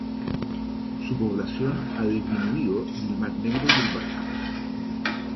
Su población ha disminuido en el Mar Negro y el Báltico.